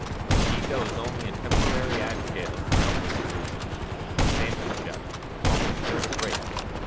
The Ego is only a temporary aggregate of countless illusions, a phantom shell, a bubble sure to break.